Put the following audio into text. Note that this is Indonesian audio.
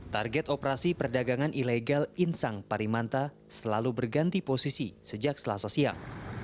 target operasi perdagangan ilegal insang parimanta selalu berganti posisi sejak selasa siang